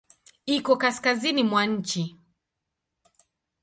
Iko kaskazini mwa nchi.